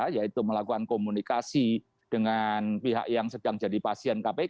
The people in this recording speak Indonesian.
yaitu melakukan komunikasi dengan pihak yang sedang jadi pasien kpk